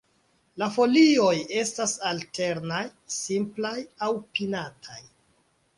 La folioj estas alternaj, simplaj aŭ pinataj.